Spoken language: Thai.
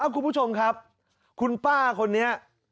คุณผู้ชมครับคุณป้าคนนี้